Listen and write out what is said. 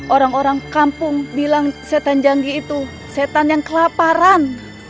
orang orang kampung bilang setan janggi itu setan yang kelaparan